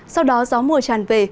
sau đó gió mùa tràn về